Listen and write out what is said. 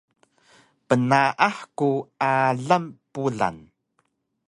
Pnaah ku alang Pulan